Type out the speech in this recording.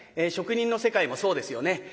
職人の世界もそうですよね。